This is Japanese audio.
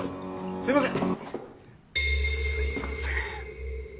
すいません。